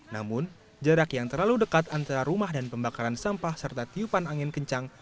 namun jarak yang terlalu dekat antara rumah dan pembakaran sampah serta tiupan angin kencang